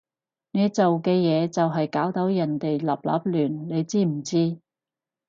你做嘅嘢就係搞到人哋立立亂，你知唔知？